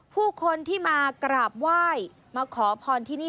ผู้คนที่มากราบไหว้มาขอพรที่นี่